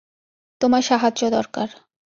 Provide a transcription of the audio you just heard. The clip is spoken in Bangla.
তোমার সাহায্য দরকার।